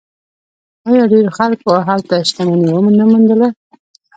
آیا ډیرو خلکو هلته شتمني ونه موندله؟